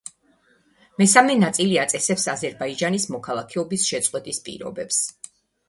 მესამე ნაწილი აწესებს აზერბაიჯანის მოქალაქეობის შეწყვეტის პირობებს.